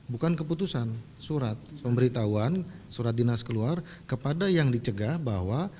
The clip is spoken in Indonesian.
bukan keputusan surat pemberitahuan surat dinas keluar kepada yang dicegah bahwa